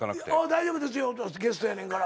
大丈夫ゲストやねんから。